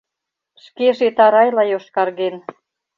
Шкеже тарайла йошкарген.